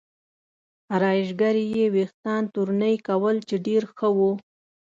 ارایشګرې یې وریښتان تورنۍ کول چې ډېر ښه و.